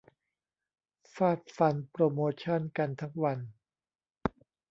ฟาดฟันโปรโมชั่นกันทั้งวัน